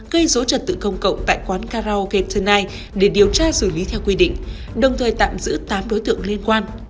gây dối trật tự công cộng tại quán karaoke tenite để điều tra xử lý theo quy định đồng thời tạm giữ tám đối tượng liên quan